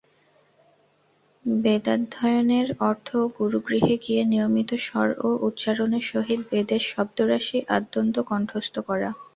বেদাধ্যয়নের অর্থ গুরুগৃহে গিয়ে নিয়মিত স্বর ও উচ্চারণের সহিত বেদের শব্দরাশি আদ্যন্ত কণ্ঠস্থ করা।